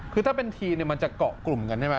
คือถ้าเป็นทีมมันจะเกาะกลุ่มกันใช่ไหม